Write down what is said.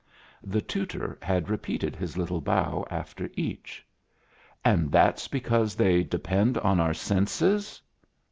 The tutor had repeated his little bow after each. "And that's because they depend on our senses?